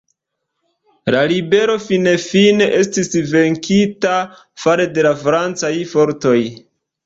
La ribelo finfine estis venkita fare de la Francaj fortoj.